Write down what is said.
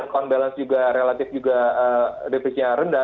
count balance juga relatif juga depisnya rendah